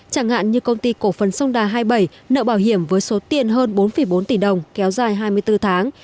chẳng hạn như công ty cổ phần sông đà hai mươi bảy nợ bảo hiểm với số tiền hơn bốn bốn tỷ đồng kéo dài hai mươi bốn tháng